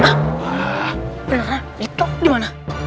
ah beneran itu dimana